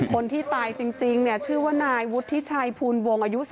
คนที่ตายจริงชื่อว่านายวุฒิภูมิวงศ์